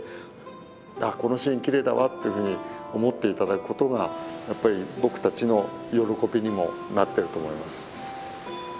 あっこのシーンきれいだわっていうふうに思っていただくことがやっぱり僕たちの喜びにもなってると思います。